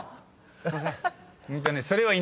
すいません。